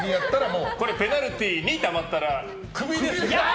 ペナルティー２たまったらクビです！